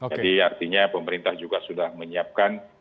jadi artinya pemerintah juga sudah menyiapkan